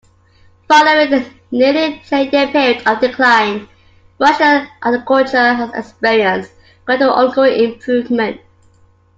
Following a nearly ten-year period of decline, Russian agriculture has experienced gradual ongoing improvement.